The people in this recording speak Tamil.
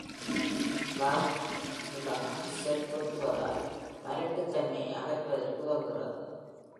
பிளாஸ்டுலா செல் பொருத்துவதால் மலட்டுத்தன்மையை அகற்றுவதற்கு உதவுகிறது.